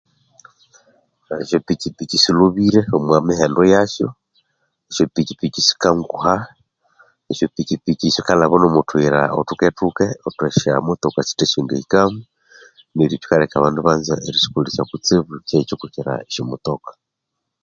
Esya piki-piki silhobire omu mihendo yasyo, esyo piki-piki sikanguha, esya piki-piki sikalhaba no kuthyira thuke-thuke othwa sya motoka sithe syangahikamu, neryo ekyikaleka abandu ibanza erisokolesya kutsibu kyekyo kukyira esya motoka